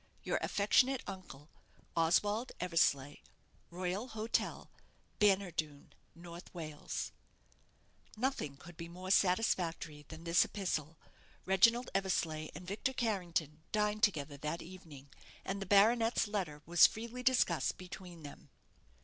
Your affectionate uncle_, OSWALD EVERSLEIGH." "Royal Hotel, Bannerdoon, N. W." Nothing could be more satisfactory than this epistle. Reginald Eversleigh and Victor Carrington dined together that evening, and the baronet's letter was freely discussed between them.